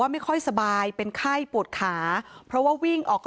เพลงที่สุดท้ายเสียเต้ยมาเสียชีวิตค่ะ